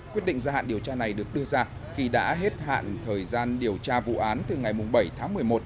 quyết định gia hạn điều tra này được đưa ra khi đã hết hạn thời gian điều tra vụ án từ ngày bảy tháng một mươi một